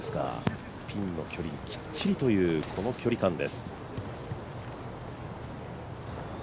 ピンの距離きっちりというこの距離感です。